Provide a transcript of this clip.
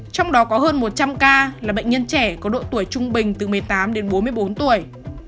trong đó có hơn một trăm linh ca là bệnh nhân trẻ có độ tuổi trung bình từ một mươi tám đến bốn mươi bốn tuổi